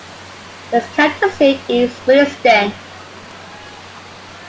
Its county seat is Williston.